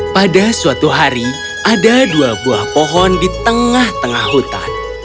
pada suatu hari ada dua buah pohon di tengah tengah hutan